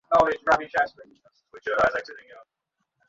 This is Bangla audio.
তার ওপর রিয়াল গোল করে বসলে সেই সংখ্যা হয়ে যাবে তিন।